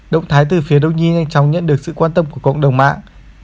động thái từ phía đông nhi nhanh chóng nhận được sự quan tâm của cộng đồng mạng